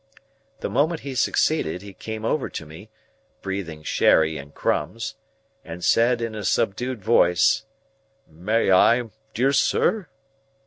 The moment he succeeded, he came over to me (breathing sherry and crumbs), and said in a subdued voice, "May I, dear sir?"